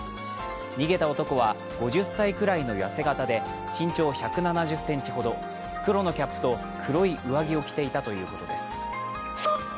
逃げた男は５０歳くらいのやせ型で身長１７０ｃｍほど、黒のキャップと黒い上着を着ていたということです。